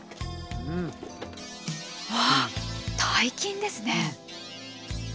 うわ大金ですね。